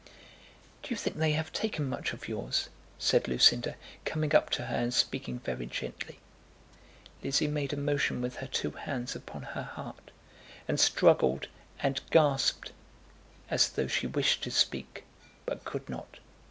"Do you think they have taken much of yours?" said Lucinda, coming up to her and speaking very gently. Lizzie made a motion with her two hands upon her heart, and struggled, and gasped, as though she wished to speak but could not.